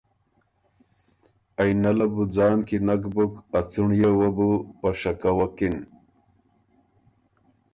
آئینۀ له بُو ځان کی نک بُک ا څُنړيې وه بُو په شکه وکِن